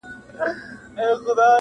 • چي تر کور پوري به وړي د سپیو سپکه -